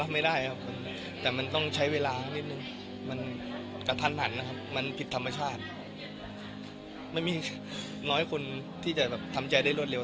ไม่มีน้อยคนที่จะทำใจได้รวดเร็ว